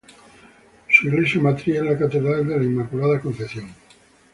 Su iglesia matriz es la Catedral de la Inmaculada Concepción.